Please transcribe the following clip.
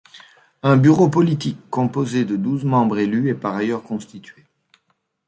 Un bureau politique composé de douze membres élus est par ailleurs constitué.